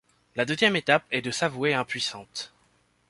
La deuxième étape est de s’avouer impuissante.